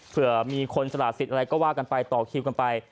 เผื่อมีคนสละสิทธิ์อะไรก็ว่ากันไปต่อคิวกันไป